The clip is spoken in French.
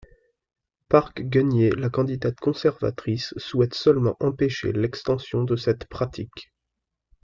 Park Geun-hye, la candidate conservatrice, souhaite seulement empêcher l'extension de cette pratique.